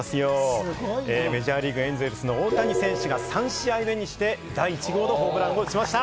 メジャーリーグ、エンゼルスの大谷選手が３試合目にして、第１号のホームランを打ちました。